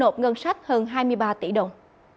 cách hơn hai mươi ba tỷ đồng